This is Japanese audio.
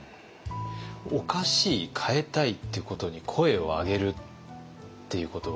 おかしい変えたいっていうことに声を上げるっていうことはどうですか？